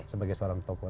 sebagai seorang tokoh